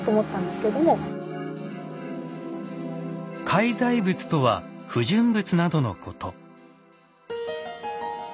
「介在物」とは不純物などのこと。